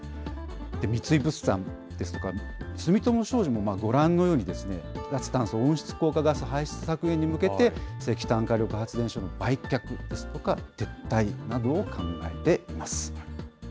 三井物産ですとか、住友商事もご覧のように、脱炭素、温室効果ガス排出削減に向けて石炭火力発電所の売却ですとか、撤退などを考えています。